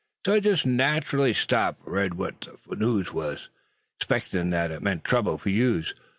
So I jest natchally stopped ter read what ther news was, 'spectin' thet it meant trouble fur you uns.